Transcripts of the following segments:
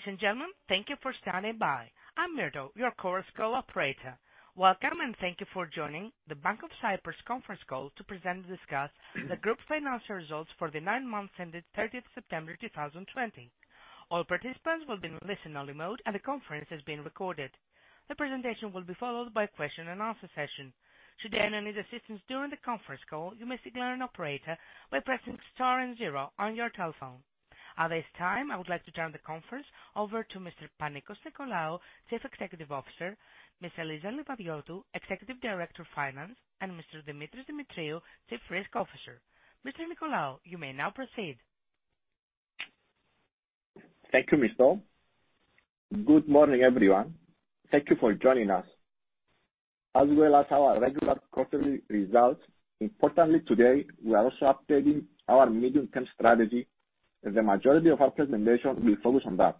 Ladies and gentlemen, thank you for standing by. I'm Myrto, your conference call operator. Welcome, and thank you for joining the Bank of Cyprus conference call to present and discuss the group's financial results for the nine months ended 30th September, 2020. All participants will be in listen-only mode, and the conference is being recorded. The presentation will be followed by question and answer session. Should anyone need assistance during the conference call, you may signal an operator by pressing star and zero on your telephone. At this time, I would like to turn the conference over to Mr. Panicos Nicolaou, Chief Executive Officer, Ms. Eliza Livadiotou, Executive Director of Finance, and Mr. Demetris Demetriou, Chief Risk Officer. Mr. Nicolaou, you may now proceed. Thank you, Myrto. Good morning, everyone. Thank you for joining us. As well as our regular quarterly results, importantly, today, we are also updating our medium-term strategy, and the majority of our presentation will focus on that.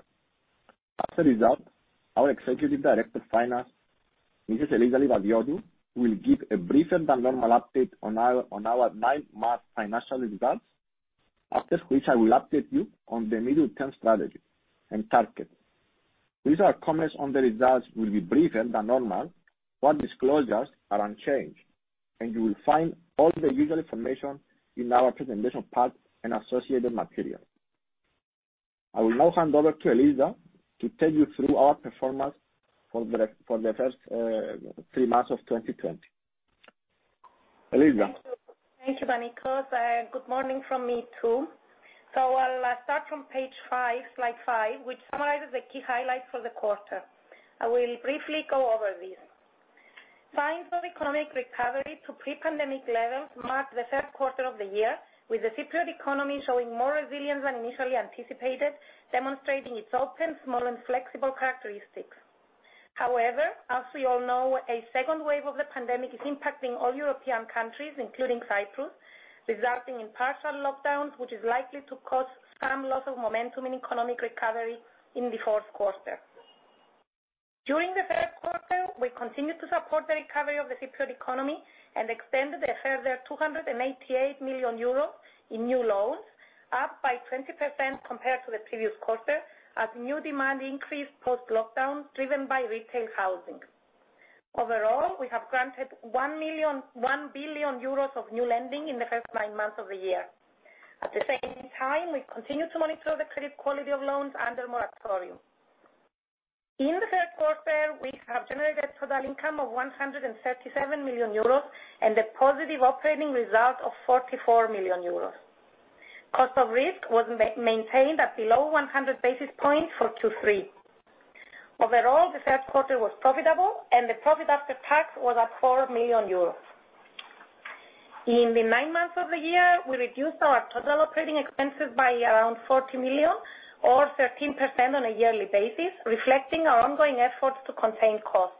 As a result, our Executive Director of Finance, Mrs. Eliza Livadiotou, will give a briefer than normal update on our nine-month financial results. After which, I will update you on the medium-term strategy and targets. These are comments on the results will be briefer than normal, while disclosures are unchanged, and you will find all the usual information in our presentation pack and associated material. I will now hand over to Eliza to take you through our performance for the first three months of 2020. Eliza? Thank you, Panicos. Good morning from me, too. I'll start from page five, slide five, which summarizes the key highlights for the quarter. I will briefly go over these. Signs of economic recovery to pre-pandemic levels marked the third quarter of the year, with the Cypriot economy showing more resilience than initially anticipated, demonstrating its open, small, and flexible characteristics. As we all know, a second wave of the pandemic is impacting all European countries, including Cyprus, resulting in partial lockdowns, which is likely to cause some loss of momentum in economic recovery in the fourth quarter. During the third quarter, we continued to support the recovery of the Cypriot economy and extended a further 288 million euros in new loans, up by 20% compared to the previous quarter, as new demand increased post-lockdown, driven by retail housing. Overall, we have granted 1 billion euros of new lending in the first nine months of the year. At the same time, we've continued to monitor the credit quality of loans under moratorium. In the third quarter, we have generated total income of 137 million euros and a positive operating result of 44 million euros. Cost of risk was maintained at below 100 basis points for Q3. Overall, the third quarter was profitable, and the profit after tax was at 4 million euros. In the nine months of the year, we reduced our total operating expenses by around 40 million or 13% on a yearly basis, reflecting our ongoing efforts to contain costs.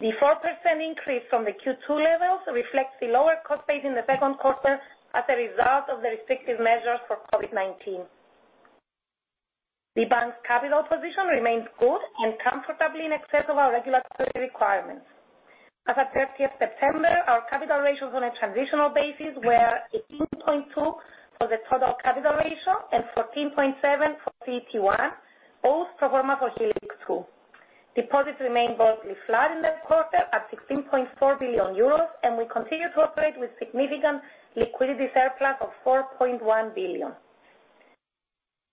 The 4% increase from the Q2 levels reflects the lower cost base in the second quarter as a result of the restrictive measures for COVID-19. The bank's capital position remains good and comfortably in excess of our regulatory requirements. As at 30th September, our capital ratios on a transitional basis were 18.2% for the total capital ratio and 14.7% for CET1, both pro forma for Helix 2. Deposits remained broadly flat in the quarter at 16.4 billion euros, and we continue to operate with significant liquidity surplus of 4.1 billion.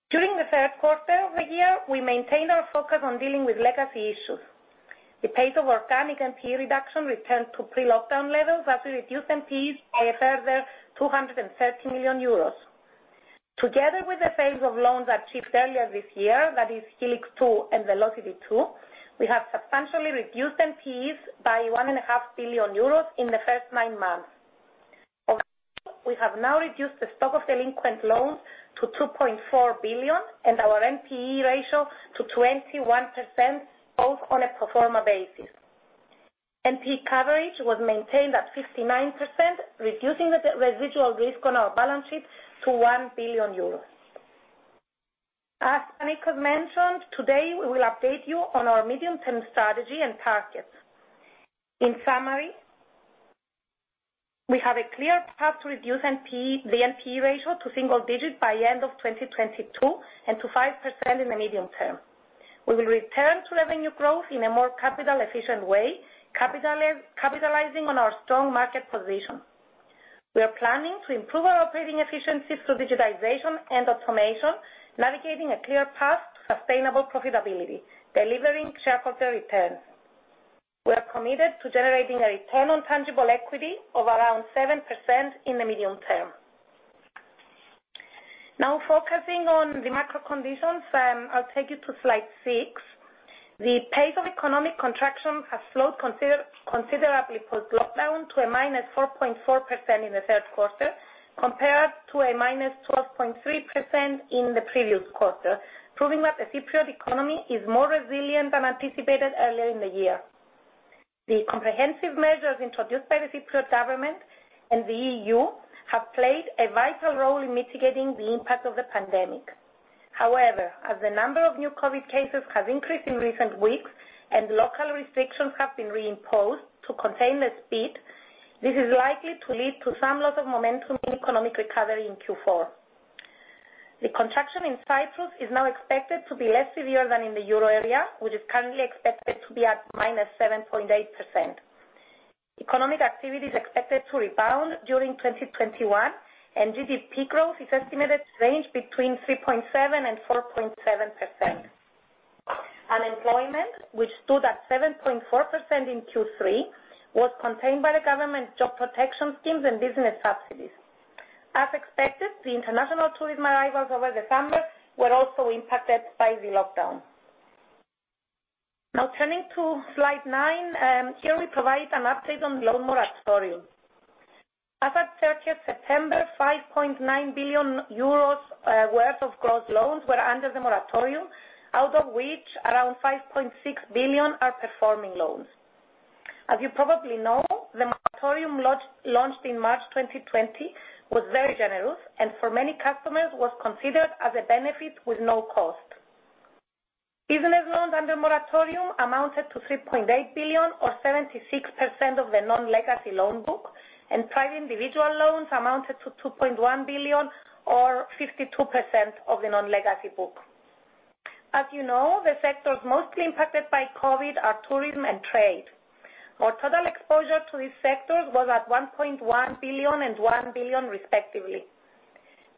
During the third quarter of the year, we maintained our focus on dealing with legacy issues. The pace of organic NPE reduction returned to pre-lockdown levels as we reduced NPEs by a further 230 million euros. Together with the phase of loans achieved earlier this year, that is Helix 2 and Velocity 2, we have substantially reduced NPEs by 1.5 billion euros in the first nine months. Overall, we have now reduced the stock of delinquent loans to 2.4 billion and our NPE ratio to 21%, both on a pro forma basis. NPE coverage was maintained at 59%, reducing the residual risk on our balance sheet to 1 billion euros. As Panicos mentioned, today, we will update you on our medium-term strategy and targets. In summary, we have a clear path to reduce the NPE ratio to single-digit by end of 2022 and to 5% in the medium term. We will return to revenue growth in a more capital-efficient way, capitalizing on our strong market position. We are planning to improve our operating efficiency through digitization and automation, navigating a clear path to sustainable profitability, delivering shareholder returns. We are committed to generating a return on tangible equity of around 7% in the medium term. Now focusing on the macro conditions, I'll take you to slide six. The pace of economic contraction has slowed considerably post-lockdown to a -4.4% in the third quarter, compared to a -12.3% in the previous quarter, proving that the Cypriot economy is more resilient than anticipated earlier in the year. The comprehensive measures introduced by the Cypriot government and the EU have played a vital role in mitigating the impact of the pandemic. As the number of new COVID-19 cases has increased in recent weeks and local restrictions have been re-imposed to contain the spread. This is likely to lead to some loss of momentum in economic recovery in Q4. The contraction in Cyprus is now expected to be less severe than in the Euro area, which is currently expected to be at -7.8%. Economic activity is expected to rebound during 2021, and GDP growth is estimated to range between 3.7% and 4.7%. Unemployment, which stood at 7.4% in Q3, was contained by the government job protection schemes and business subsidies. As expected, the international tourism arrivals over December were also impacted by the lockdown. Turning to slide nine, here we provide an update on loan moratorium. As at 30th September, 5.9 billion euros worth of gross loans were under the moratorium, out of which around 5.6 billion are performing loans. As you probably know, the moratorium launched in March 2020 was very generous, and for many customers was considered as a benefit with no cost. Business loans under moratorium amounted to 3.8 billion or 76% of the non-legacy loan book, and private individual loans amounted to 2.1 billion or 52% of the non-legacy book. As you know, the sectors mostly impacted by COVID are tourism and trade. Our total exposure to these sectors was at 1.1 billion and 1 billion respectively.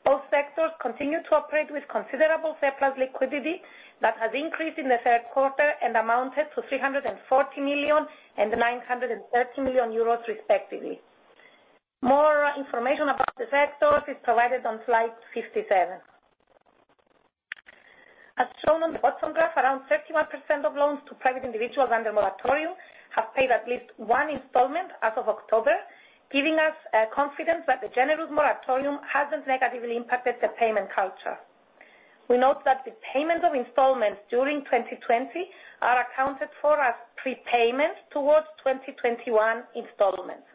Both sectors continue to operate with considerable surplus liquidity that has increased in the third quarter and amounted to 340 million and 930 million euros respectively. More information about the sectors is provided on slide 57. As shown on the bottom graph, around 31% of loans to private individuals under moratorium have paid at least one installment as of October, giving us confidence that the generous moratorium hasn't negatively impacted the payment culture. We note that the payment of installments during 2020 are accounted for as prepayments towards 2021 installments.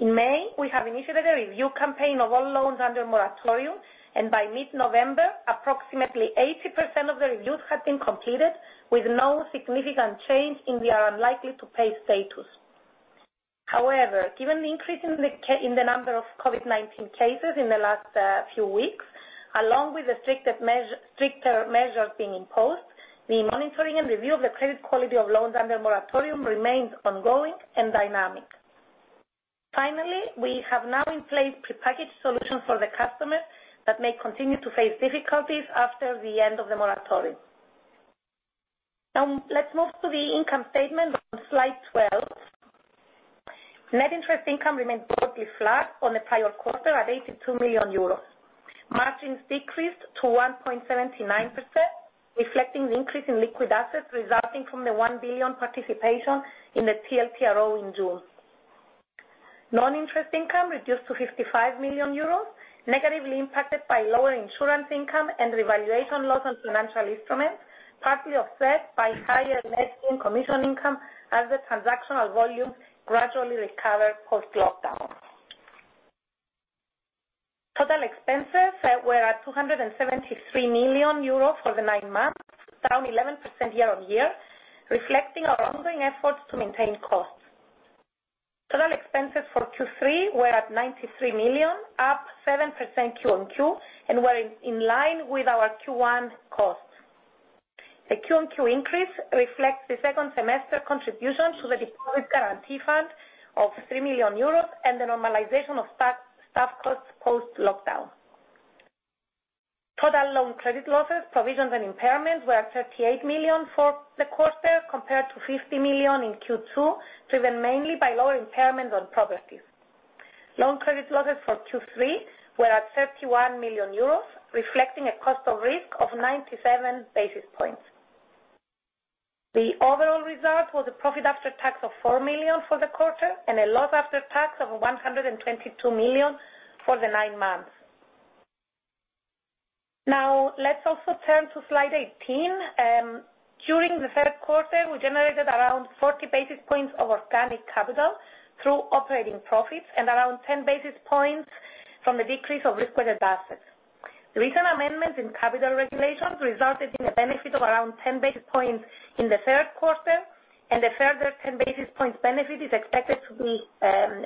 In May, we have initiated a review campaign of all loans under moratorium, and by mid-November, approximately 80% of the reviews had been completed with no significant change in the unlikely to pay status. However, given the increase in the number of COVID-19 cases in the last few weeks, along with the stricter measures being imposed, the monitoring and review of the credit quality of loans under moratorium remains ongoing and dynamic. Finally, we have now in place prepackaged solutions for the customers that may continue to face difficulties after the end of the moratorium. Now let's move to the income statement on slide 12. Net interest income remained broadly flat on the prior quarter at 82 million euros. Margins decreased to 1.79%, reflecting the increase in liquid assets resulting from the 1 billion participation in the TLTRO in June. Non-interest income reduced to 55 million euros, negatively impacted by lower insurance income and revaluation loss on financial instruments, partly offset by higher net gain commission income as the transactional volumes gradually recover post-lockdown. Total expenses were at 273 million euros for the nine months, down 11% year-on-year, reflecting our ongoing efforts to maintain costs. Total expenses for Q3 were at 93 million, up 7% quarter-on-quarter, were in line with our Q1 costs. The quarter-on-quarter increase reflects the second semester contribution to the Deposit Guarantee Fund of 3 million euros and the normalization of staff costs post-lockdown. Total loan credit losses, provisions, and impairments were at 38 million for the quarter compared to 50 million in Q2, driven mainly by lower impairment on properties. Loan credit losses for Q3 were at 31 million euros, reflecting a cost of risk of 97 basis points. The overall result was a profit after tax of 4 million for the quarter, a loss after tax of 122 million for the nine months. Now, let's also turn to slide 18. During the third quarter, we generated around 40 basis points of organic capital through operating profits and around 10 basis points from the decrease of risk-weighted assets. The recent amendments in capital regulations resulted in a benefit of around 10 basis points in the third quarter, and a further 10 basis points benefit is expected to be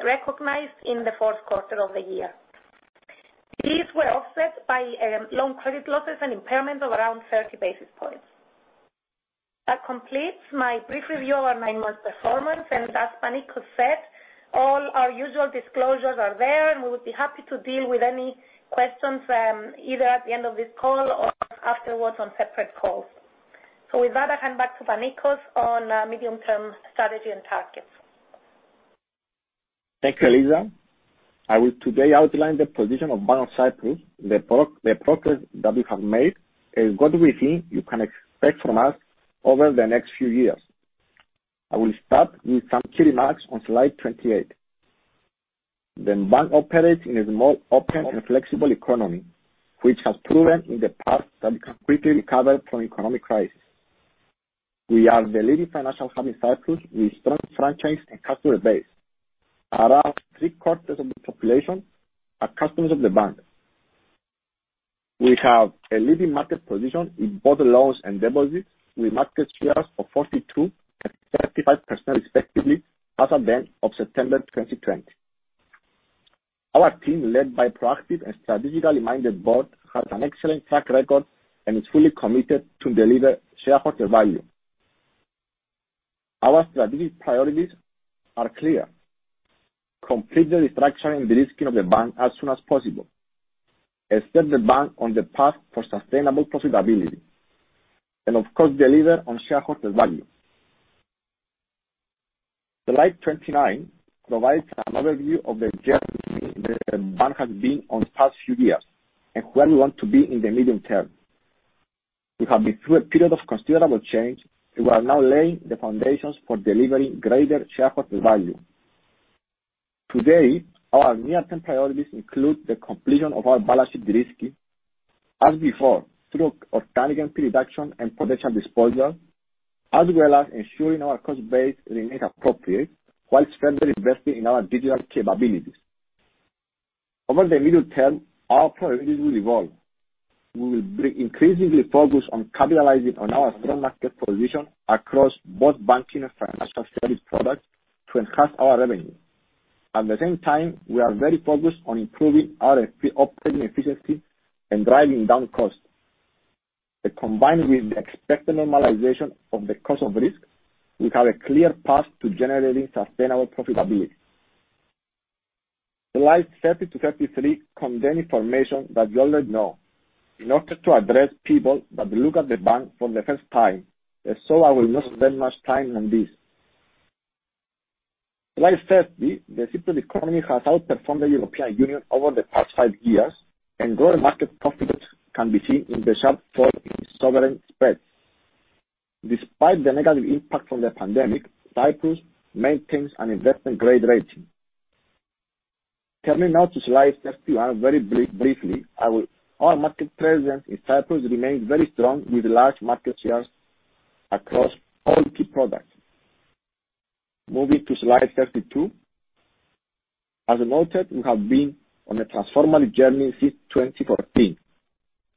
recognized in the fourth quarter of the year. These were offset by loan credit losses and impairment of around 30 basis points. That completes my brief review on nine months performance, and as Panicos said, all our usual disclosures are there, and we would be happy to deal with any questions, either at the end of this call or afterwards on separate calls. With that, I hand back to Panicos Nicolaou on medium-term strategy and targets. Thank you, Eliza. I will today outline the position of Bank of Cyprus, the progress that we have made, and what we think you can expect from us over the next few years. I will start with some key remarks on slide 28. The bank operates in a small, open, and flexible economy, which has proven in the past that we can quickly recover from economic crisis. We are the leading financial hub in Cyprus with strong franchise and customer base. Around 3/4 of the population are customers of the bank. We have a leading market position in both loans and deposits with market shares of 42% and 35% respectively as at the end of September 2020. Our team, led by proactive and strategically-minded board, has an excellent track record and is fully committed to deliver shareholder value. Our strategic priorities are clear: complete the restructuring and de-risking of the bank as soon as possible, set the bank on the path for sustainable profitability, and of course, deliver on shareholder value. Slide 29 provides an overview of the journey the bank has been on the past few years and where we want to be in the medium term. We have been through a period of considerable change. We are now laying the foundations for delivering greater shareholder value. Today, our near-term priorities include the completion of our balance sheet de-risking, as before, through organic NP reduction and potential disposal, as well as ensuring our cost base remains appropriate while further investing in our digital capabilities. Over the middle term, our priorities will evolve. We will be increasingly focused on capitalizing on our strong market position across both banking and financial service products to enhance our revenue. At the same time, we are very focused on improving our operating efficiency and driving down costs. Combined with the expected normalization of the cost of risk, we have a clear path to generating sustainable profitability. Slides 30 to 33 contain information that you already know. In order to address people that look at the bank for the first time, I will not spend much time on this. Slide 30, the Cypriot economy has outperformed the European Union over the past five years, and growing market confidence can be seen in the sharp fall in sovereign spreads. Despite the negative impact from the pandemic, Cyprus maintains an investment-grade rating. Turning now to slide 31 very briefly. Our market presence in Cyprus remains very strong with large market shares across all key products. Moving to slide 32. As noted, we have been on a transformative journey since 2014.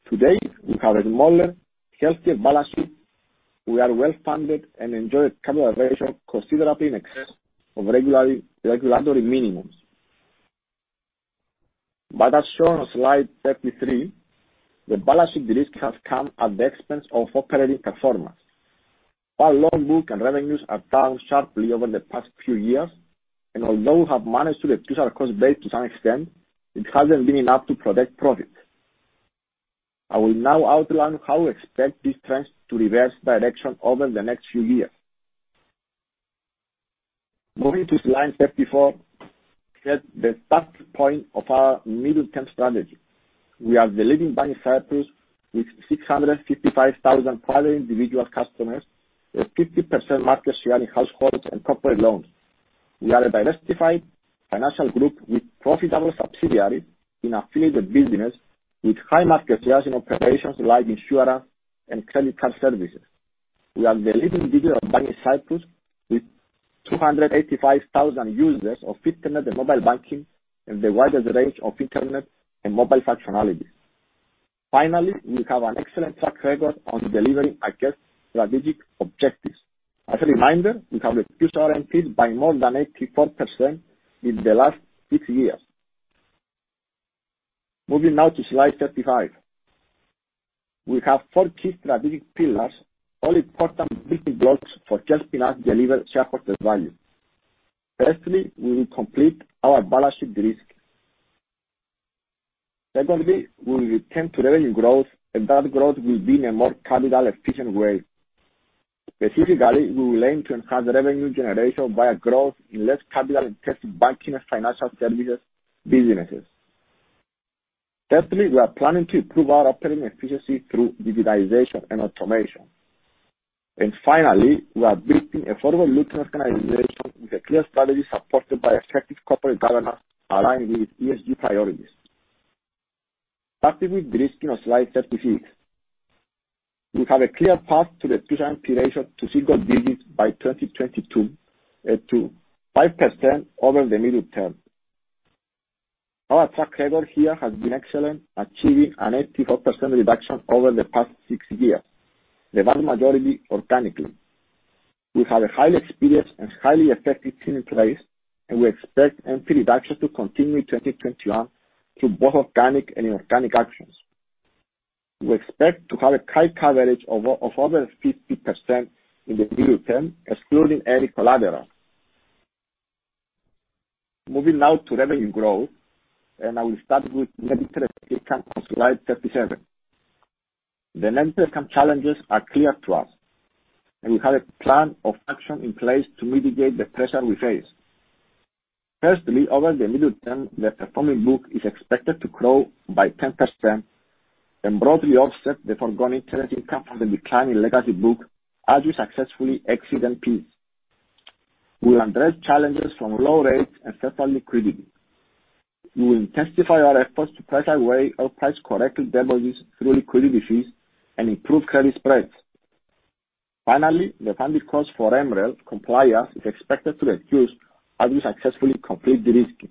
Today, we have a smaller, healthier balance sheet. We are well-funded and enjoy capitalization considerably in excess of regulatory minimums. As shown on slide 33, the balance sheet de-risk has come at the expense of operating performance. Our loan book and revenues are down sharply over the past few years, and although we have managed to reduce our cost base to some extent, it hasn't been enough to protect profit. I will now outline how we expect this trend to reverse direction over the next few years. Moving to slide 34, here's the starting point of our middle-term strategy. We are the leading bank in Cyprus with 655,000 private individual customers, with 50% market share in households and corporate loans. We are a diversified financial group with profitable subsidiaries in affiliated business, with high market shares in operations like insurance and credit card services. We are the leading digital bank in Cyprus, with 285,000 users of internet and mobile banking, and the widest range of Internet and mobile functionalities. Finally, we have an excellent track record on delivering against strategic objectives. As a reminder, we have reduced our NPE by more than 84% in the last six years. Moving now to slide 35. We have four key strategic pillars, all important building blocks for helping us deliver shareholder value. Firstly, we will complete our balance sheet de-risk. Secondly, we will return to revenue growth. That growth will be in a more capital-efficient way. Specifically, we will aim to enhance revenue generation via growth in less capital-intensive banking and financial services businesses. Thirdly, we are planning to improve our operating efficiency through digitization and automation. Finally, we are building a forward-looking organization with a clear strategy supported by effective corporate governance aligned with ESG priorities. Starting with de-risking on slide 36. We have a clear path to reduce NPE ratio to single digits by 2022, to 5% over the middle term. Our track record here has been excellent, achieving an 84% reduction over the past six years, the vast majority organically. We have a highly experienced and highly effective team in place. We expect NPE reduction to continue in 2021 through both organic and inorganic actions. We expect to have a high coverage of over 50% in the middle term, excluding any collateral. Moving now to revenue growth, I will start with net interest income on slide 37. The net interest income challenges are clear to us, and we have a plan of action in place to mitigate the pressure we face. Firstly, over the middle term, the performing book is expected to grow by 10% and broadly offset the forgone net interest income from the decline in legacy book as we successfully exit NP. We will address challenges from low rates and surplus liquidity. We will intensify our efforts to price our way or price correctly deposits through liquidity fees and improve credit spreads. Finally, the funding cost for MREL compliance is expected to reduce as we successfully complete de-risking.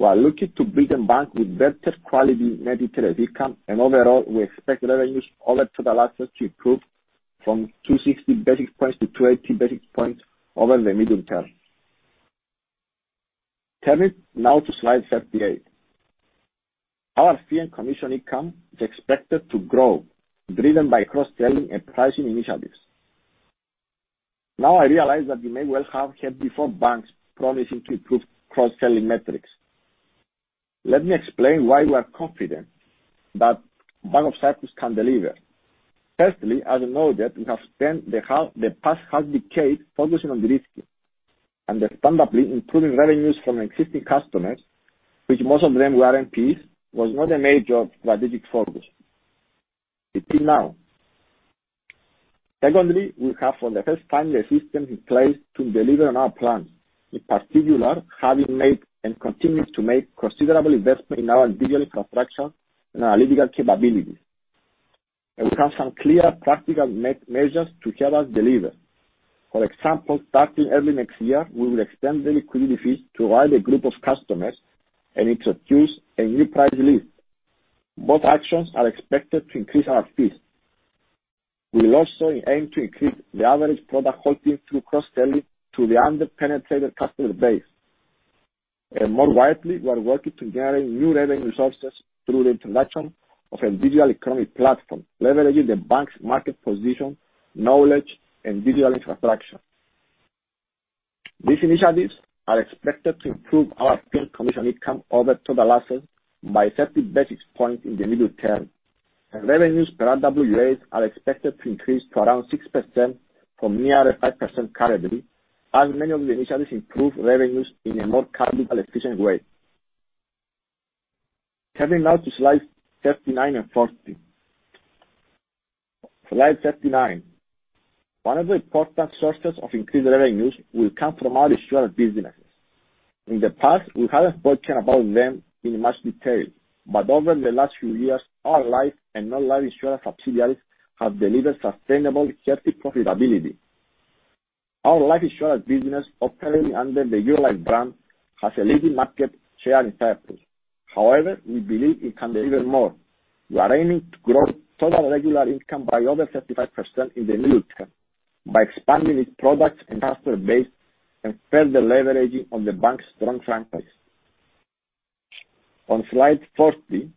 We are looking to build a bank with better quality net interest income, and overall, we expect revenues over total assets to improve from 260 basis points to 280 basis points over the medium term. Turning now to slide 38. Our fee and commission income is expected to grow, driven by cross-selling and pricing initiatives. I realize that we may well have heard before banks promising to improve cross-selling metrics. Let me explain why we are confident that Bank of Cyprus can deliver. Firstly, as you know, we have spent the past half decade focusing on de-risking. Understandably, improving revenues from existing customers, which most of them were NPEs, was not a major strategic focus, until now. Secondly, we have, for the first time, the systems in place to deliver on our plans. In particular, having made, and continuing to make considerable investment in our digital infrastructure and analytical capabilities. We have some clear practical measures to help us deliver. For example, starting early next year, we will extend the liquidity fees to a wider group of customers and introduce a new price lift. Both actions are expected to increase our fees. We will also aim to increase the average product holding through cross-selling to the under-penetrated customer base. More widely, we are working to generate new revenue sources through the introduction of a digital economy platform, leveraging the bank's market position, knowledge, and digital infrastructure. These initiatives are expected to improve our fee and commission income over total assets by 30 basis points in the medium term, and revenues per RWA are expected to increase to around 6% from near at 5% currently, as many of the initiatives improve revenues in a more capital efficient way. Turning now to slides 39 and 40. Slide 39. One of the important sources of increased revenues will come from our insurance businesses. In the past, we haven't spoken about them in much detail. Over the last few years, our life and non-life insurance subsidiaries have delivered sustainable healthy profitability. Our life insurance business operating under the Eurolife brand has a leading market share in Cyprus. We believe it can be even more. We are aiming to grow total regular income by over 35% in the medium term by expanding its products and customer base and further leveraging on the bank's strong franchise. On slide 40,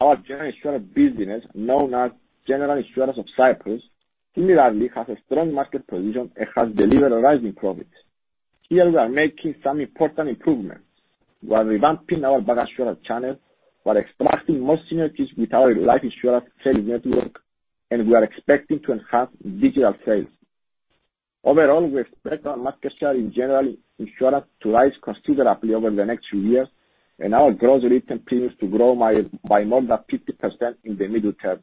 our general insurance business, known as General Insurance of Cyprus, similarly, has a strong market position and has delivered rising profits. Here, we are making some important improvements. We are revamping our bank insurance channel. We are extracting more synergies with our life insurance selling network, and we are expecting to enhance digital sales. Overall, we expect our market share in general insurance to rise considerably over the next few years, and our gross written premiums to grow by more than 50% in the medium term.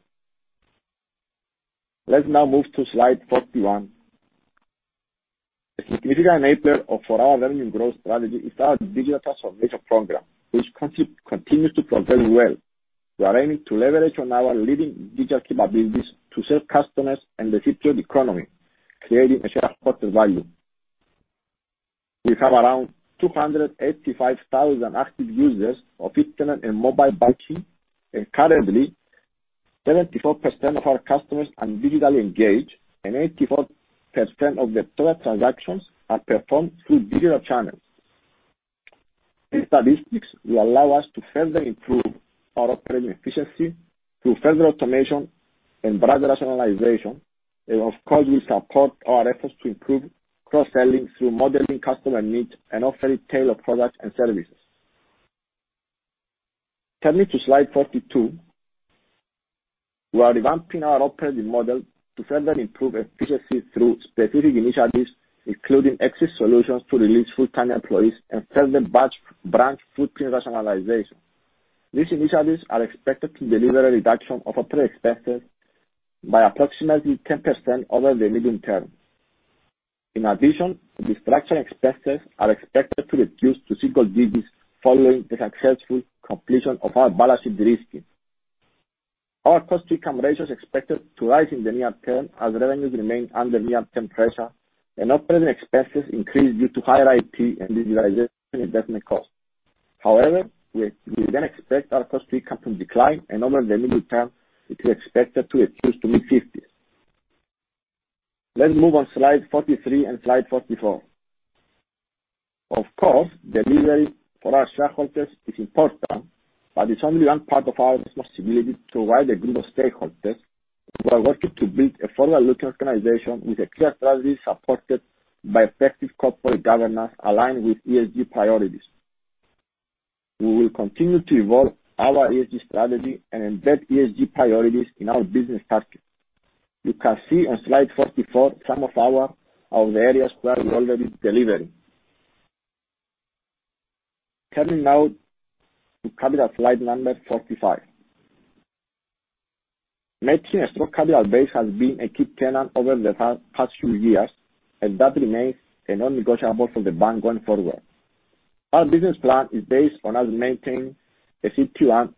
Let's now move to slide 41. A significant enabler for our revenue growth strategy is our digital transformation program, which continues to progress well. We are aiming to leverage on our leading digital capabilities to serve customers and the future of the economy, creating shareholder value. We have around 285,000 active users of Internet and mobile banking, and currently, 74% of our customers are digitally engaged, and 84% of the total transactions are performed through digital channels. These statistics will allow us to further improve our operating efficiency through further automation and branch rationalization. Of course, will support our efforts to improve cross-selling through modeling customer needs and offering tailored products and services. Turning to slide 42. We are revamping our operating model to further improve efficiency through specific initiatives, including exit solutions to release full-time employees and further branch footprint rationalization. These initiatives are expected to deliver a reduction of operating expenses by approximately 10% over the medium term. In addition, restructuring expenses are expected to reduce to single digits following the successful completion of our balance sheet de-risking. Our cost-to-income ratio is expected to rise in the near term as revenues remain under near-term pressure and operating expenses increase due to higher IT and digitalization investment costs. However, we then expect our cost-to-income to decline, and over the medium term, it is expected to reduce to mid-50s. Let's move on slide 43 and slide 44. Of course, the dividend for our shareholders is important, but it's only one part of our responsibility to a wider group of stakeholders. We are working to build a forward-looking organization with a clear strategy supported by effective corporate governance aligned with ESG priorities. We will continue to evolve our ESG strategy and embed ESG priorities in our business strategy. You can see on slide 44 some of the areas where we're already delivering. Turning now to capital, slide number 45. Maintaining a strong capital base has been a key tenet over the past few years, and that remains a non-negotiable for the bank going forward. Our business plan is based on us maintaining a CET1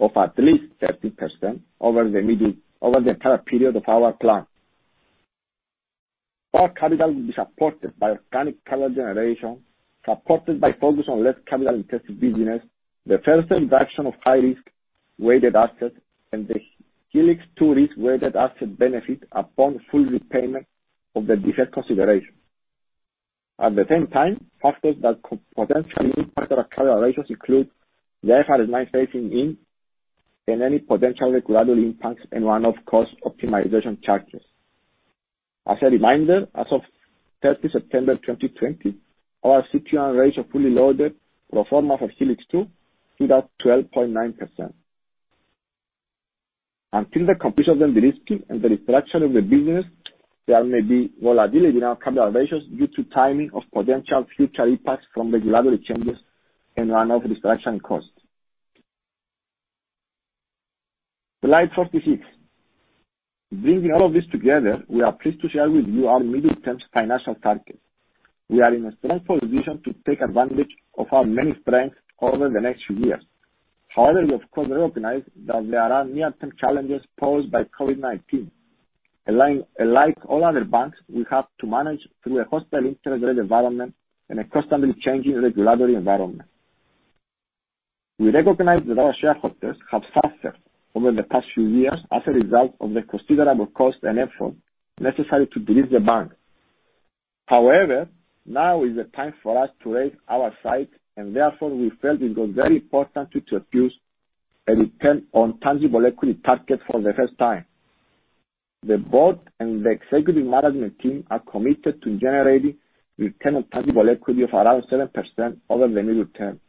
of at least 13% over the entire period of our plan. Our capital will be supported by organic capital generation, supported by focus on less capital-intensive business, the further reduction of high risk-weighted assets, and the Project Helix 2 risk-weighted asset benefit upon full repayment of the deferred consideration. At the same time, factors that could potentially impact our capital ratios include the IFRS 9 phasing in, and any potential regulatory impacts and one-off cost optimization charges. As a reminder, as of 30 September, 2020, our CET1 ratio fully loaded pro forma for Helix 2 stood at 12.9%. Until the completion of the de-risking and the restructuring of the business, there may be volatility in our capital ratios due to timing of potential future impacts from regulatory changes and run-off restructuring costs. Slide 46. Bringing all of this together, we are pleased to share with you our medium-term financial targets. We are in a strong position to take advantage of our many strengths over the next few years. However, we, of course, recognize that there are near-term challenges posed by COVID-19. Like all other banks, we have to manage through a hostile interest rate environment and a constantly changing regulatory environment. We recognize that our shareholders have suffered over the past few years as a result of the considerable cost and effort necessary to delever the bank. Now is the time for us to raise our sights, and therefore we felt it was very important to introduce a return on tangible equity target for the first time. The board and the executive management team are committed to generating return on tangible equity of around 7% over the medium term.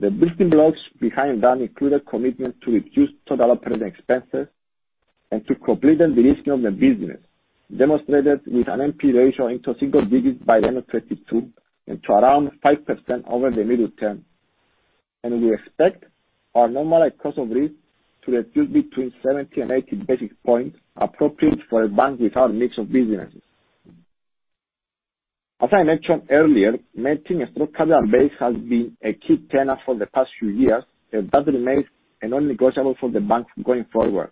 The building blocks behind that include a commitment to reduce total operating expenses and to completing de-risking of the business, demonstrated with an NPE ratio into single digits by the end of 2022, and to around 5% over the medium term. We expect our normalized cost of risk to reduce between 70 and 80 basis points appropriate for a bank with our mix of businesses. As I mentioned earlier, maintaining a strong capital base has been a key tenet for the past few years, and that remains a non-negotiable for the bank going forward.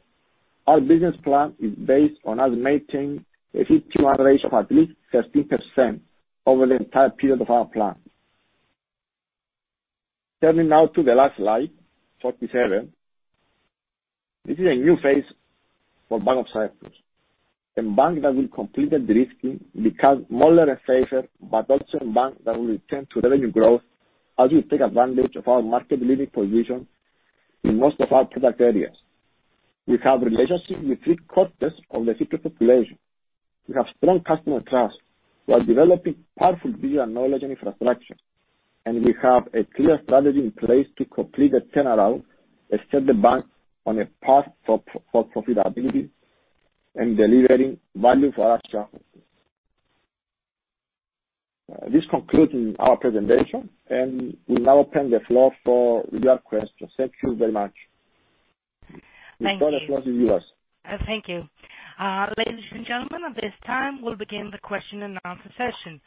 Our business plan is based on us maintaining a CET1 ratio of at least 13% over the entire period of our plan. Turning now to the last slide 47. This is a new phase for Bank of Cyprus, a bank that will complete the de-risking, become smaller and safer, but also a bank that will return to revenue growth as we take advantage of our market-leading position in most of our product areas. We have relationships with three-quarters of the Cyprus population. We have strong customer trust. We are developing powerful digital knowledge and infrastructure. We have a clear strategy in place to complete the turnaround and set the bank on a path for profitability and delivering value for our shareholders. This concludes our presentation, and we now open the floor for your questions. Thank you very much. Thank you. We look forward to hear you. Thank you. Ladies and gentlemen, at this time, we'll begin the question and answer session.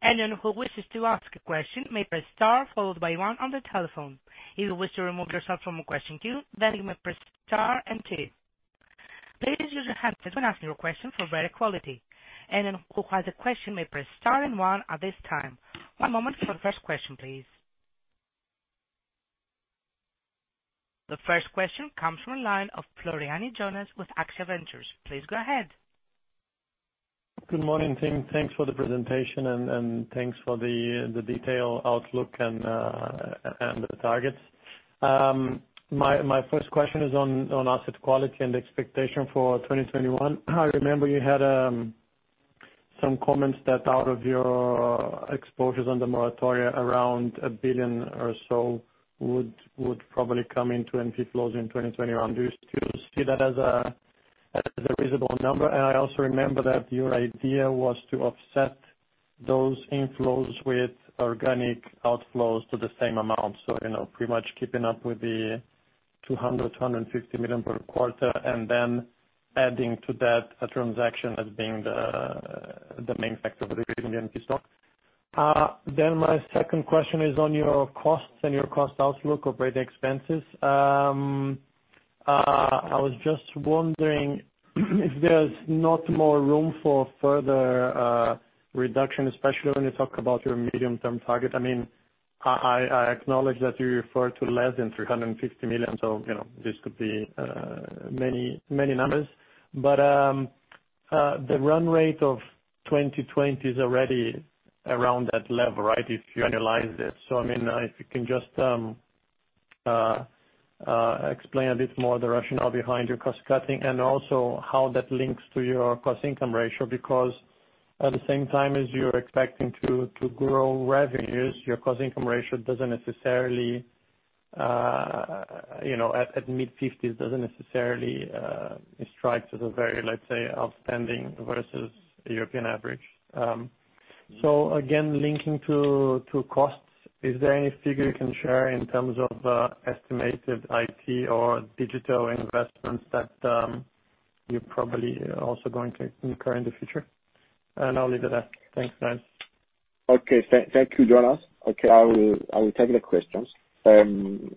If you wish to ask a question, you may press star followed by one on you telephone. If you wish to remove your self from the question the queue, then you may press star and two. Please use your handset when asking questions for better quality. Who has question may press star and one at this time. One moment for the first question please. The first question comes from the line of Jonas Floriani with Axia Ventures. Please go ahead. Good morning, team. Thanks for the presentation and thanks for the detail outlook and the targets. My first question is on asset quality and expectation for 2021. I remember you had some comments that out of your exposures on the moratoria, around 1 billion or so would probably come into NPE flows in 2021. Do you still see that as a reasonable number? I also remember that your idea was to offset those inflows with organic outflows to the same amount. Pretty much keeping up with the 200 million, 250 million per quarter, and then adding to that a transaction as being the main factor of the increase in NPE stock. My second question is on your costs and your cost outlook operating expenses. I was just wondering if there's not more room for further reduction, especially when you talk about your medium-term target. I acknowledge that you refer to less than 350 million. This could be many, many numbers. The run rate of 2020 is already around that level, right, if you annualize it. If you can just explain a bit more the rationale behind your cost-cutting, and also how that links to your cost income ratio, because at the same time as you're expecting to grow revenues, your cost income ratio doesn't necessarily, at mid-50s, doesn't necessarily strike as a very, let's say, outstanding versus European average. Again, linking to costs, is there any figure you can share in terms of estimated IT or digital investments that you're probably also going to incur in the future. I'll leave it at that. Thanks. Bye. Okay. Thank you, Jonas. I will take the questions. Starting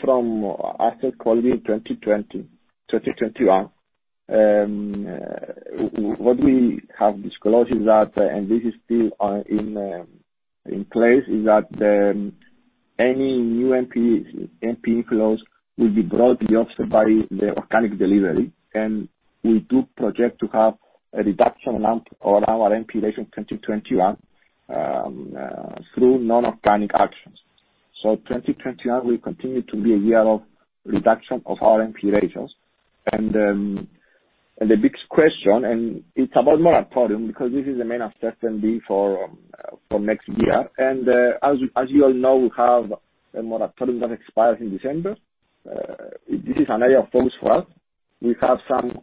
from asset quality in 2021, what we have disclosed, and this is still in place, is that any new NP inflows will be broadly offset by the organic delivery. We do project to have a reduction around our NP ratio in 2021 through non-organic actions. 2021 will continue to be a year of reduction of our NP ratios. The big question, and it's about moratorium, because this is the main uncertainty for next year. As you all know, we have a moratorium that expires in December. This is an area of focus for us. We have some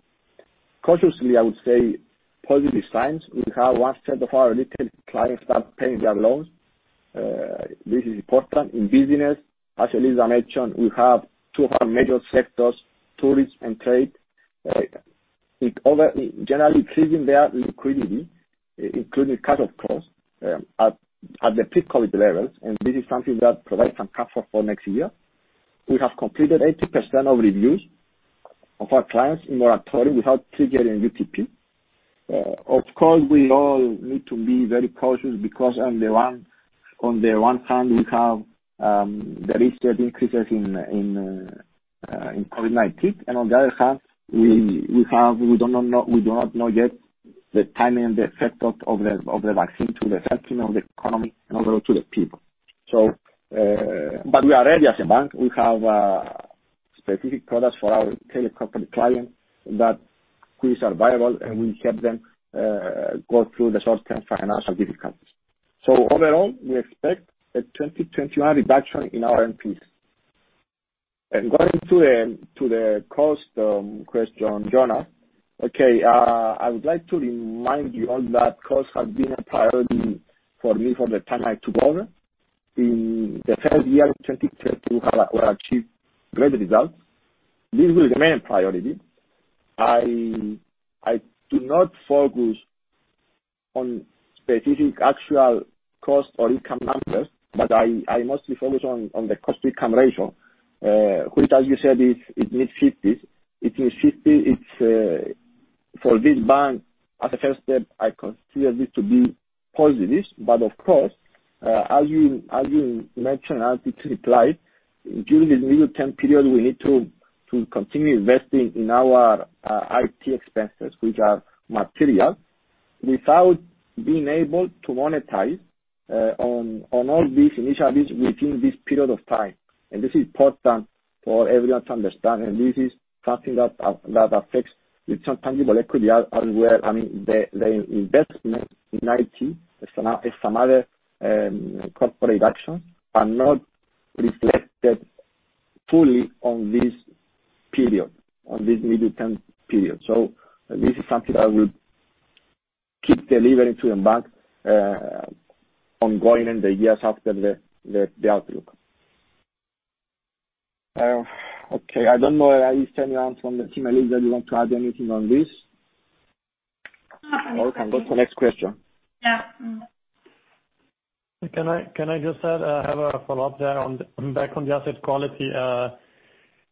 cautiously, I would say, positive signs. We have one third of our retail clients start paying their loans. This is important. In business, as Eliza mentioned, we have two major sectors, tourism and trade. Generally increasing their liquidity, including cut of costs, at the pre-COVID levels, this is something that provides some comfort for next year. We have completed 80% of reviews of our clients in moratorium without triggering UTP. Of course, we all need to be very cautious because on the one hand, we have the risk that increases in COVID-19, on the other hand, we do not know yet the timing and the effect of the vaccine to the health of the economy and also to the people. We are ready as a bank. We have specific products for our telecompany clients that we are viable, and we help them go through the short-term financial difficulties. Overall, we expect a 2021 reduction in our NPs. Going to the cost question, Jonas. Okay, I would like to remind you all that cost has been a priority for me from the time I took over. In the first year, 2020, we have achieved great results. This will remain a priority. I do not focus on specific actual cost or income numbers, but I mostly focus on the cost-income ratio, which, as you said, is mid-50s. For this bank, as a first step, I consider this to be positive. Of course, as you mentioned, as you replied, during this medium term period, we need to continue investing in our IT expenses, which are material, without being able to monetize on all these initiatives within this period of time. This is important for everyone to understand, and this is something that affects the tangible equity as well. The investment in IT and some other corporate actions are not reflected fully on this medium-term period. This is something that will keep delivering to the Bank ongoing in the years after the outlook. Okay. I don't know, Eliza, anyone from the team, Eliza, you want to add anything on this? No. We can go to the next question. Yeah. Can I just add a follow-up there back on the asset quality.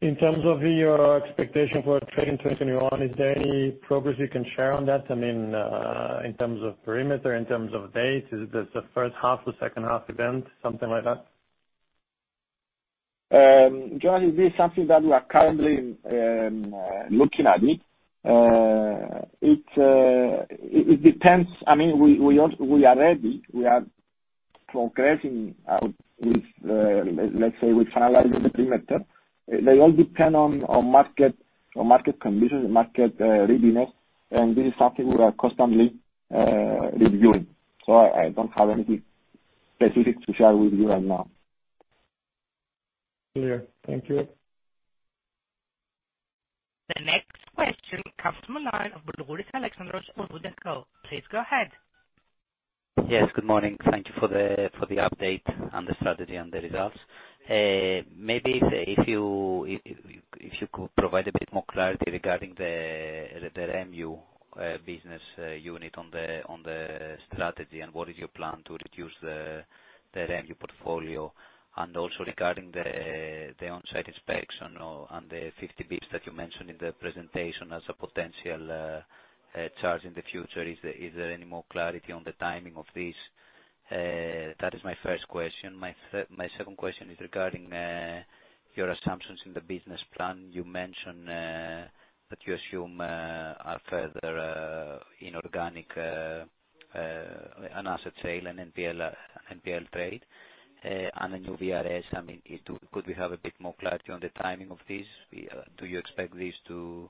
In terms of your expectation for trading 2021, is there any progress you can share on that? In terms of perimeter, in terms of dates, is this the first half or second half event, something like that? Jonas, this is something that we are currently looking at it. It depends. We are ready. We are progressing with, let's say, we're finalizing the perimeter. They all depend on market conditions and market readiness, and this is something we are constantly reviewing, so I don't have anything specific to share with you right now. Clear. Thank you. The next question comes from the line of Alexandros Boulougouris of Wood & Company. Please go ahead. Yes, good morning. Thank you for the update on the strategy and the results. Maybe if you could provide a bit more clarity regarding the REMU business unit on the strategy and what is your plan to reduce the REMU portfolio. Also regarding the on-site inspection and the 50 basis points that you mentioned in the presentation as a potential charge in the future. Is there any more clarity on the timing of this? That is my first question. My second question is regarding your assumptions in the business plan. You mentioned that you assume a further inorganic, an asset sale, an NPL trade, and a new VRS. Could we have a bit more clarity on the timing of this? Do you expect this to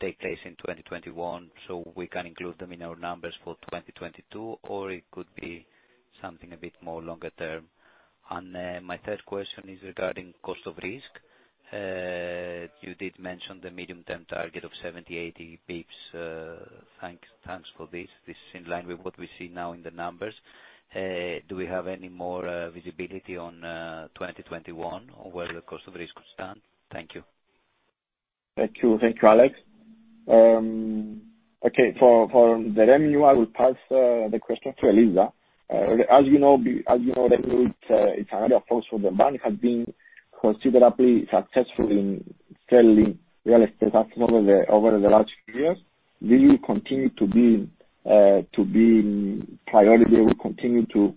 take place in 2021 so we can include them in our numbers for 2022? It could be something a bit more longer term? My third question is regarding cost of risk. You did mention the medium-term target of 70, 80 basis points. Thanks for this. This is in line with what we see now in the numbers. Do we have any more visibility on 2021 or where the cost of risk could stand? Thank you. Thank you, Alexandros. Okay. For the REMU, I will pass the question to Eliza Livadiotou. As you know, the REMU, it's another force for the Bank, has been considerably successful in selling real estate assets over the last few years. We will continue to be priority, or we continue to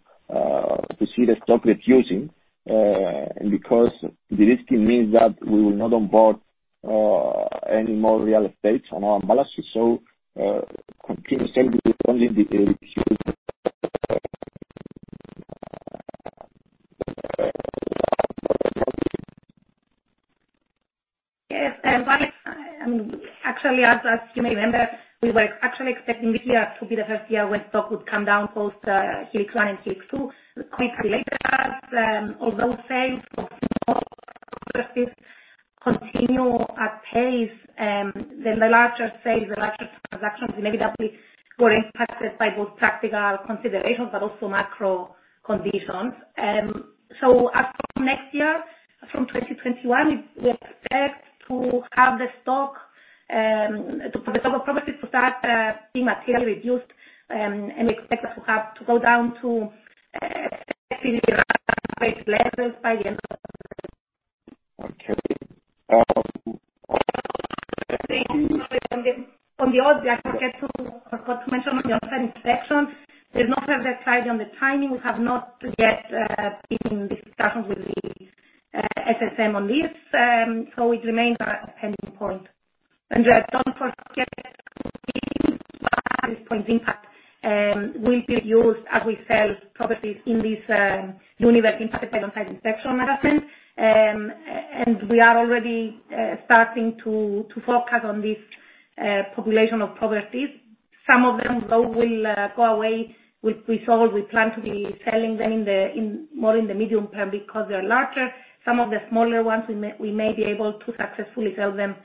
see the stock reducing, because de-risking means that we will not onboard any more real estate on our balances. Continue selling will only be a issue. Yes. Actually, as you may remember, we were actually expecting this year to be the first year when stock would come down post Project Helix and Project Helix 2. Quickly later, as all those sales continue at pace, then the larger sales, the larger transactions, maybe that we got impacted by both practical considerations, but also macro conditions. As from next year, from 2021, we expect to have the stock of properties to start being materially reduced, and we expect that to go down to expected levels by the end of. Okay. On the subject, I forgot to mention on the OSI inspection, there's no firm decision on the timing. We have not yet been in discussions with the SSM on this. It remains a pending point. Just don't forget, this point impact will be used as we sell properties in this universe impacted by inaudible. We are already starting to focus on this population of properties. Some of them, though, will go away. We plan to be selling them more in the medium term because they are larger. Some of the smaller ones, we may be able to successfully sell them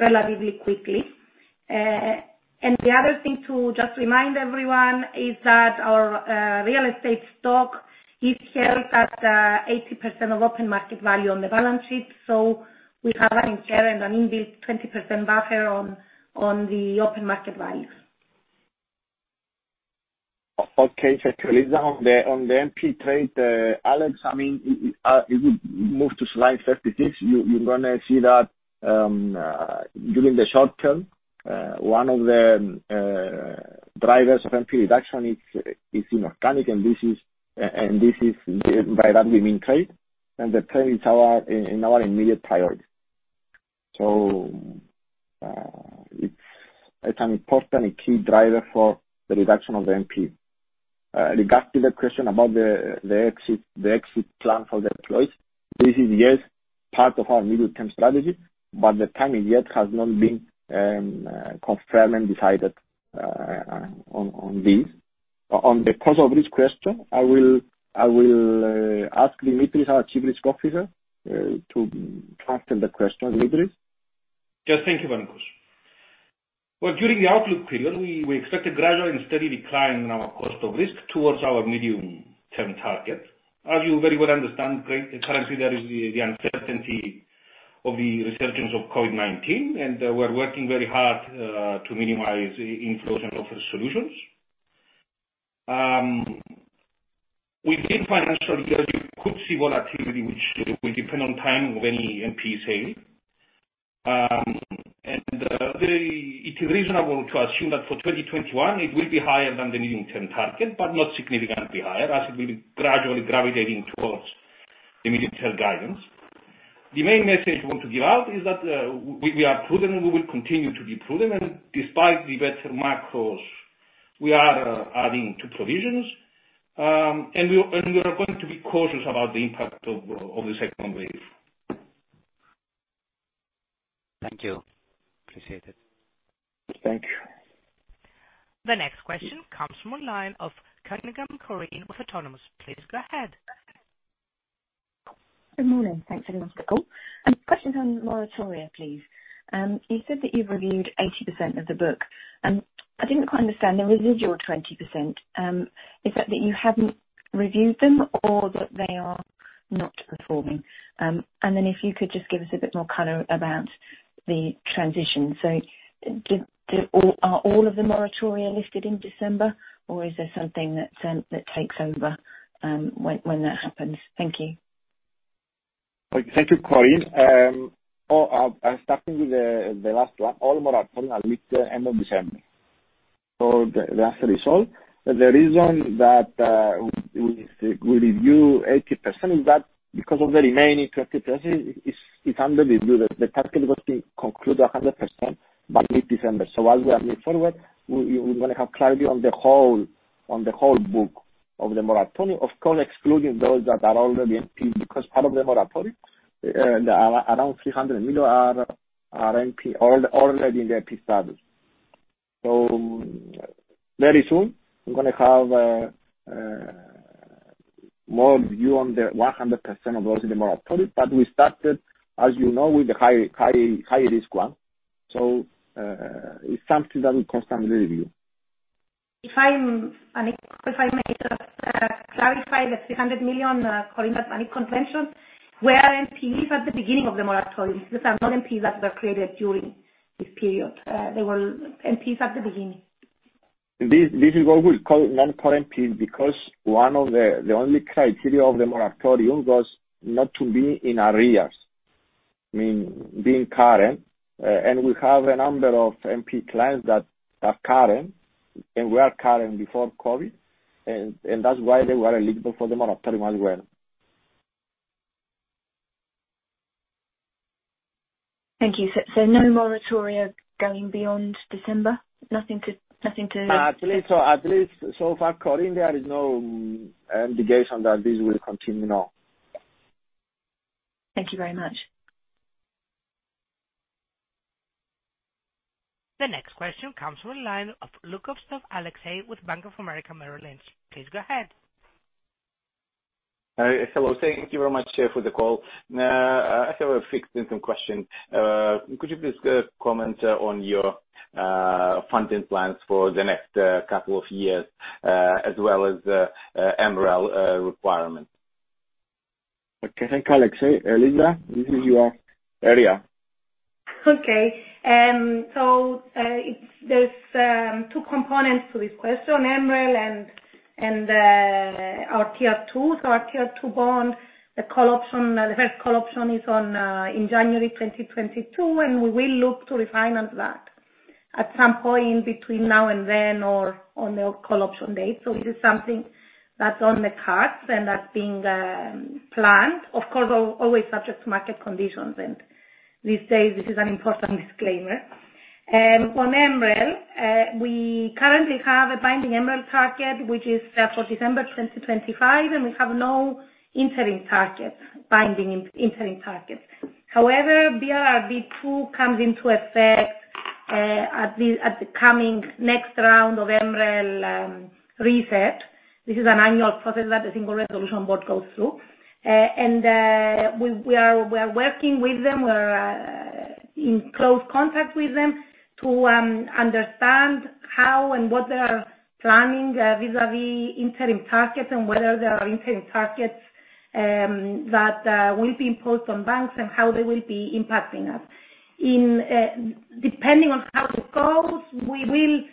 relatively quickly. The other thing to just remind everyone is that our real estate stock is carried at 80% of open market value on the balance sheet. We have an inherent, an inbuilt 20% buffer on the open market values. Okay. Thank you, Eliza. On the NP trade, Alexandros, if we move to slide 56, you're going to see that during the short term, one of the drivers of NP reduction is inorganic, and this is by that we mean trade. The trade in our immediate priority. It's an important key driver for the reduction of the NP. Regarding the question about the exit plan for the employees, this is, yes, part of our medium-term strategy, the timing yet has not been confirmed and decided on this. On the cost of risk question, I will ask Demetris Demetriou, our Chief Risk Officer, to tackle the question. Demetris? Yes. Thank you, Panicos. Well, during the outlook period, we expect a gradual and steady decline in our cost of risk towards our medium-term target. As you very well understand, currently, there is the uncertainty of the resurgence of COVID-19, and we're working very hard to minimize the influence and offer solutions. Within financial year, you could see volatility, which will depend on time of any NP sale. It is reasonable to assume that for 2021, it will be higher than the medium-term target, but not significantly higher, as it will be gradually gravitating towards the medium-term guidance. The main message we want to give out is that we are prudent, we will continue to be prudent, and despite the better macros, we are adding to provisions. We are going to be cautious about the impact of the second wave. Thank you. Appreciate it. Thank you. The next question comes from the line of Corinne Cunningham with Autonomous. Please go ahead. Good morning. Thanks very much for the call. Question on moratoria, please. You said that you've reviewed 80% of the book, and I didn't quite understand the residual 20%. Is that you haven't reviewed them or that they are not performing? Then if you could just give us a bit more color about the transition. Are all of the moratoria lifted in December, or is there something that takes over when that happens? Thank you. Thank you, Corinne. Starting with the last one, all moratoria list end of December. That's the result. The reason that we review 80% is that because of the remaining 20% is under review. The target was to conclude 100% by mid-December. As we are moving forward, we want to have clarity on the whole book of the moratoria, of course, excluding those that are already NP, because part of the moratoria, around 300 million, are already in the NP status. Very soon we're going to have more view on the 100% of those in the moratorium. We started, as you know, with the high risk one. It's something that we constantly review. If I may just clarify the 300 million according to bank convention, were NPEs at the beginning of the moratorium. These are not NPEs that were created during this period. They were NPEs at the beginning. This is what we call non-current NPE because the only criteria of the moratorium was not to be in arrears, being current. We have a number of NPE clients that are current, and were current before COVID. That's why they were eligible for the moratorium as well. Thank you. No moratoria going beyond December? At least so far, Corinne, there is no indication that this will continue now. Thank you very much. The next question comes from the line of Alexei Lukovtsov with Bank of America Merrill Lynch. Please go ahead. Hello. Thank you very much for the call. I have a few different question. Could you please comment on your funding plans for the next couple of years, as well as MREL requirement? Okay, Alexei. Eliza Livadiotou, this is your area. Okay. There's two components to this question, MREL and our Tier 2. Our Tier 2 bond, the first call option is in January 2022, and we will look to refinance that at some point between now and then or on the call option date. It is something that's on the cards and that's being planned. Of course, always subject to market conditions. These days, this is an important disclaimer. On MREL, we currently have a binding MREL target, which is for December 2025, and we have no interim target, binding interim target. However, BRRD II comes into effect at the coming next round of MREL reset. This is an annual process that a Single Resolution Board goes through. We are working with them. We're in close contact with them to understand how and what they are planning vis-a-vis interim targets and whether there are interim targets that will be imposed on banks and how they will be impacting us. Depending on how this goes, in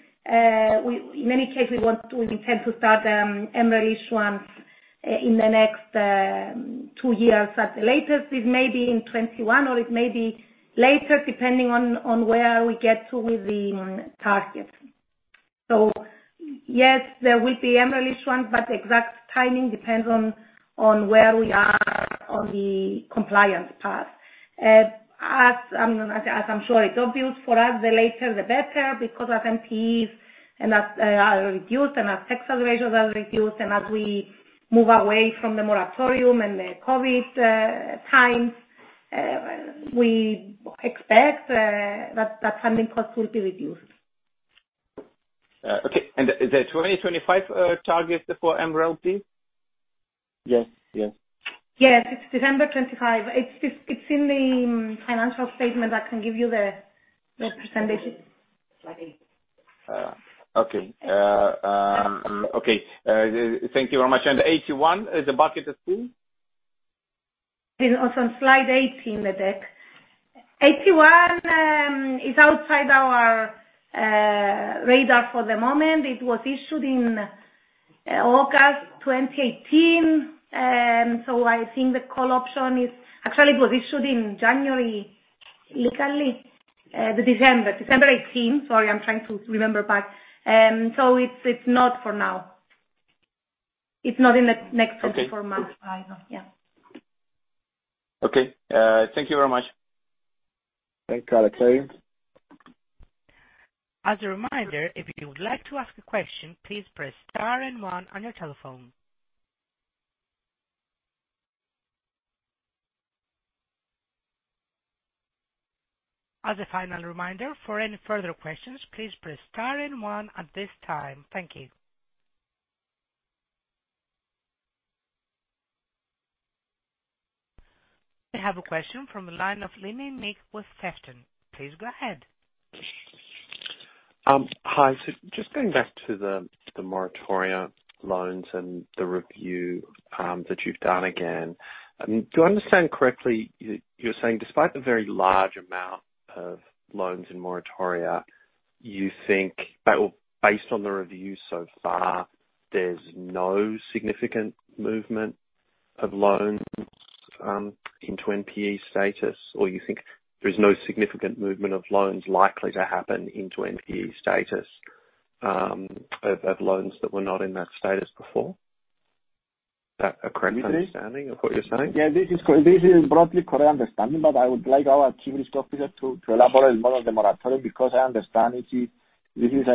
many cases, we intend to start MREL issuance in the next two years at the latest. It may be in 2021 or it may be later, depending on where we get to with the targets. Yes, there will be MREL issuance, but the exact timing depends on where we are on the compliance path. As I'm sure it's obvious for us, the later the better, because as NPEs are reduced and as tax accelerations are reduced, and as we move away from the moratorium and the COVID times, we expect that funding costs will be reduced. Okay. The 2025 target for MREL, please? Yes. Yes, it's December 2025. It's in the financial statement. I can give you the %. Okay. Thank you very much. The AT1, the bucket is full? It's on slide 18, the deck. AT1 is outside our radar for the moment. It was issued in August 2018. Actually, it was issued in January, literally. December 18th. Sorry, I'm trying to remember back. It's not for now. It's not in the next 24 months. Okay. Yeah. Okay. Thank you very much. Thanks, Alexei. As a reminder, if you'd like to ask a question, you may press star then one on your telephone. As a final reminder, for any further questions, please press star and one at this time. Thank you. We have a question from the line of Nick Linnane with Sefton. Please go ahead. Hi. Just going back to the moratoria loans and the review that you've done again, do I understand correctly, you're saying despite the very large amount of loans in moratoria, you think based on the review so far, there's no significant movement of loans into NPE status, or you think there is no significant movement of loans likely to happen into NPE status of loans that were not in that status before? Is that a correct understanding of what you're saying? This is broadly correct understanding, but I would like our Chief Risk Officer to elaborate more on the moratorium because I understand this is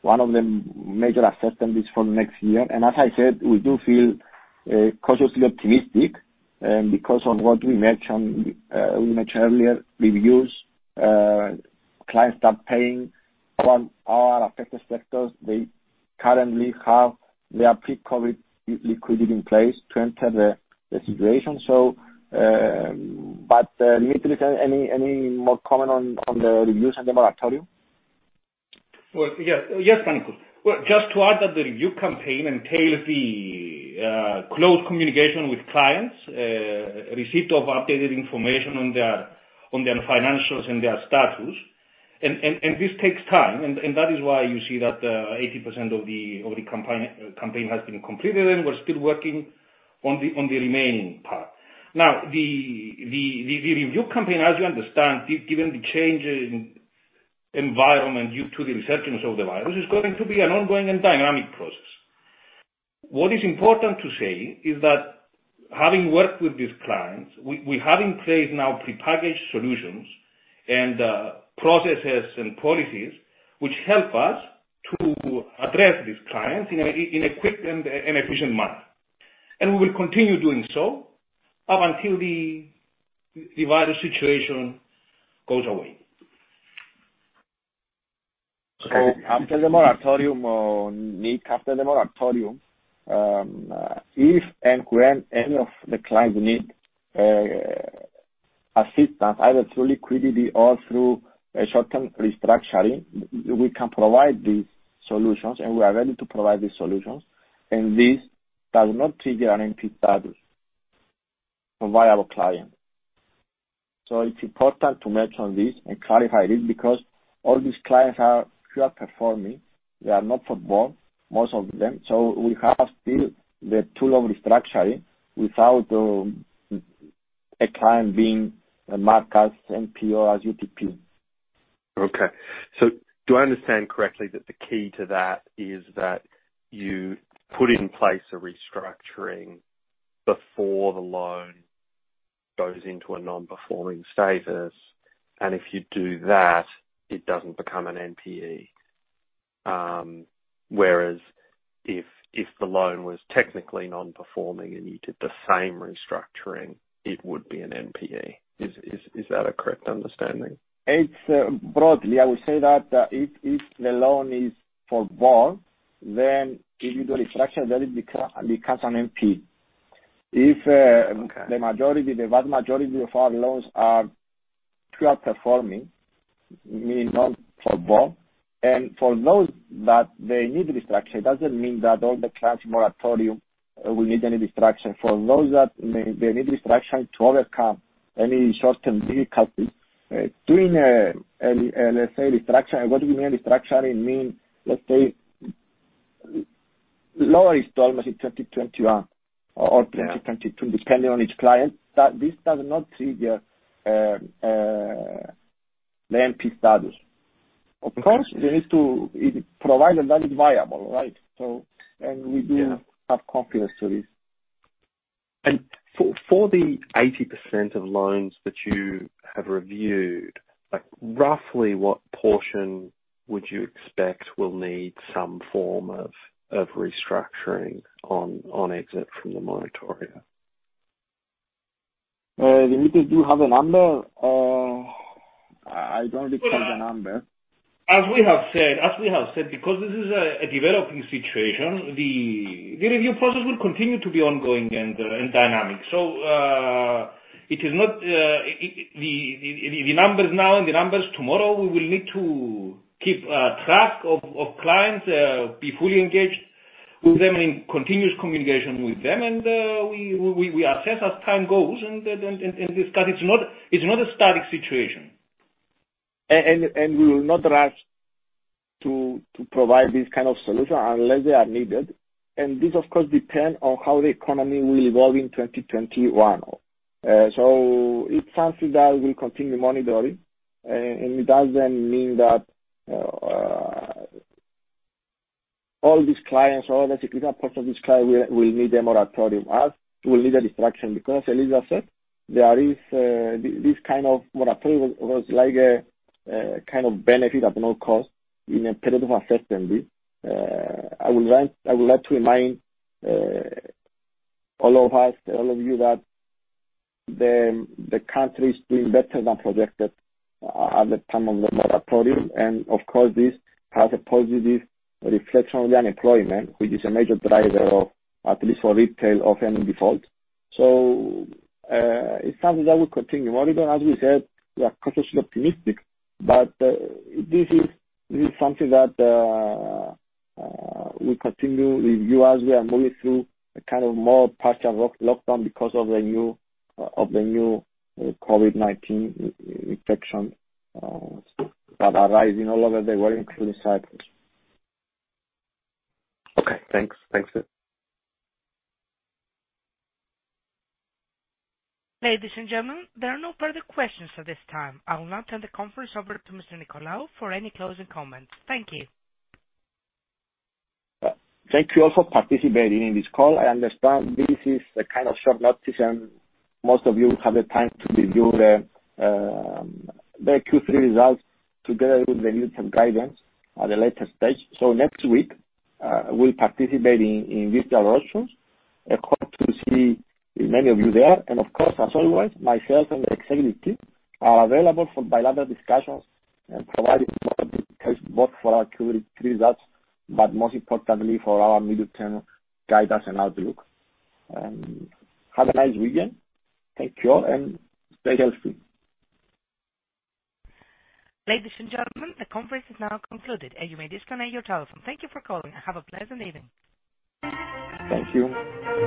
one of the major assessments for next year. As I said we do feel cautiously optimistic because on what we mentioned earlier, reviews. Clients start paying from all affected sectors they currently have their pre-COVID liquidity in place to enter the situation. Nikitas, any more comment on the reviews and the moratorium? Well, yes, Panicos Nicolaou. Just to add that the review campaign entails the close communication with clients, receipt of updated information on their financials and their status. This takes time, and that is why you see that 80% of the campaign has been completed, and we're still working on the remaining part. Now, the review campaign, as you understand, given the change in environment due to the resurgence of the virus, is going to be an ongoing and dynamic process. What is important to say is that having worked with these clients, we have in place now pre-packaged solutions and processes and policies which help us to address these clients in a quick and efficient manner. We will continue doing so up until the virus situation goes away. After the moratorium, Nikitas, after the moratorium, if and when any of the clients need assistance, either through liquidity or through a short-term restructuring, we can provide these solutions, and we are ready to provide these solutions, and this does not trigger an NP status for viable clients. It's important to mention this and clarify this because all these clients are pure performing. They are not forborne, most of them, so we have still the tool of restructuring without a client being marked as NPE, as UTP. Okay. Do I understand correctly that the key to that is that you put in place a restructuring before the loan goes into a non-performing status, and if you do that, it doesn't become an NPE? Whereas if the loan was technically non-performing and you did the same restructuring, it would be an NPE. Is that a correct understanding? Broadly, I would say that if the loan is forborne, then if you do restructuring, then it becomes an NP. Okay. The vast majority of our loans are pure performing, meaning not forborne. For those that they need restructuring, it doesn't mean that all the clients' moratorium will need any restructuring. For those that they need restructuring to overcome any short-term difficulties, doing, let's say, restructuring. What do we mean restructuring? Mean, let's say, lower installments in 2021 or 2022, depending on each client, that this does not trigger the NP status. Of course, it needs to provide a value viable, right? We do have confidence to this. For the 80% of loans that you have reviewed, roughly what portion would you expect will need some form of restructuring on exit from the moratorium? Nikitas, do you have a number? I don't recall the number. As we have said, because this is a developing situation, the review process will continue to be ongoing and dynamic. The numbers now and the numbers tomorrow, we will need to keep track of clients, be fully engaged with them, in continuous communication with them, and we assess as time goes and discuss. It's not a static situation. We will not rush to provide this kind of solution unless they are needed. This, of course, depend on how the economy will evolve in 2021. It's something that we'll continue monitoring, and it doesn't mean that all these clients or a significant portion of these clients will need a moratorium or will need a restructuring because as Eliza said, this kind of moratorium was like a kind of benefit at no cost in a period of uncertainty. I would like to remind all of us, all of you, that the country is doing better than projected at the time of the moratorium. Of course, this has a positive reflection on the unemployment, which is a major driver of, at least for retail, of any default. It's something that we continue monitoring. As we said, we are cautiously optimistic, but this is something that we continue review as we are moving through a kind of more partial lockdown because of the new COVID-19 infection that are rising all over the world, including Cyprus. Okay. Thanks. Ladies and gentlemen, there are no further questions at this time. I will now turn the conference over to Mr. Nicolaou for any closing comments. Thank you. Thank you all for participating in this call. I understand this is a kind of short notice, and most of you have the time to review the Q3 results together with the midterm guidance at a later stage. Next week, we'll participate in virtual versions. I hope to see many of you there. Of course, as always, myself and the executive team are available for bilateral discussions and providing more details both for our Q3 results, but most importantly, for our midterm guidance and outlook. Have a nice weekend. Take care, and stay healthy. Ladies and gentlemen, the conference is now concluded, and you may disconnect your telephone. Thank you for calling, and have a pleasant evening. Thank you.